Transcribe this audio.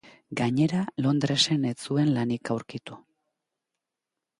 Gainera Londresen ez zuen lanik aurkitu.